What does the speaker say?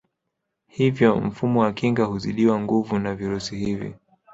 Hivyo mfumo wa kinga huzidiwa nguvu na virusi hivi